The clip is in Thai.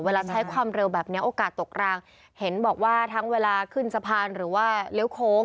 ใช้ความเร็วแบบนี้โอกาสตกรางเห็นบอกว่าทั้งเวลาขึ้นสะพานหรือว่าเลี้ยวโค้ง